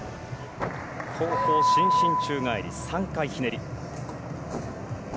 後方伸身宙返り３回ひねり。